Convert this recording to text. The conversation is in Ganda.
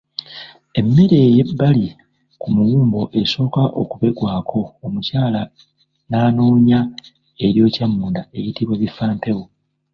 Emmere eyebbali ku muwumbo esooka okubegebwako omukyala n’anoonya eryokya munda eyitibwa Bifampewo.